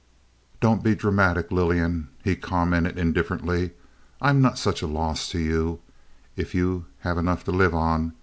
"Don't be dramatic, Lillian," he commented, indifferently. "I'm not such a loss to you if you have enough to live on.